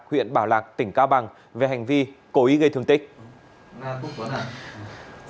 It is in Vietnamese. huyện bảo lạc tỉnh cao bằng về hành vi cố ý gây thương tích